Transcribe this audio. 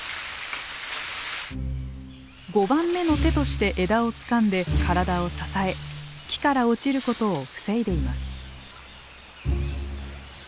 ５番目の手として枝をつかんで体を支え木から落ちることを防いでいます。